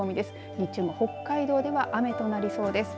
日中も北海道では雨となりそうです。